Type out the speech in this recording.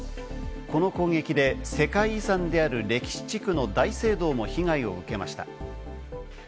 この攻撃で世界遺産である歴史地区の大聖堂も被害を受けました。